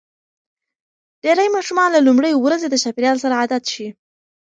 ډېری ماشومان له لومړۍ ورځې د چاپېریال سره عادت شي.